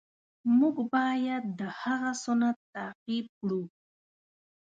مونږ باید د هغه سنت تعقیب کړو.